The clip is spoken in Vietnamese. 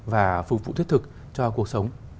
và phục vụ thiết thực cho cuộc sống